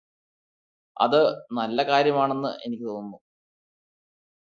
അത് നല്ല കാര്യമാണെന്ന് എനിക്ക് തോന്നുന്നു